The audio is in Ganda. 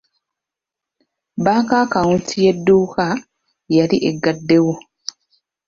Banka akawunti y'edduuka yali eggaddwawo.